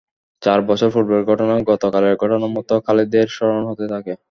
চার বছর পূর্বের ঘটনা গতকালের ঘটনার মত খালিদের স্মরণ হতে থাকে।